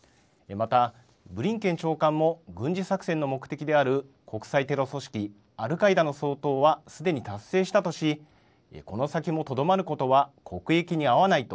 またブリンケン長官も、軍事作戦の目的である国際テロ組織アルカイダの掃討はすでに達成したとし、この先もとどまることは国益に合わないと、